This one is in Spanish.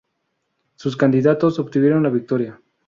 Sus candidatos obtuvieron la victoria.